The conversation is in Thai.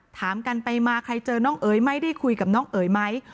ถามกันไปมาใครเจอน้องเอ๋ยไหมได้คุยกับน้องเอ๋ยไหม